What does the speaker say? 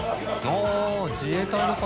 あぁ自衛隊の方？